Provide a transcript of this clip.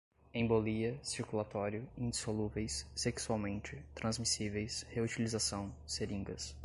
embolia, circulatório, indissolúveis, sexualmente, transmissíveis, reutilização, seringas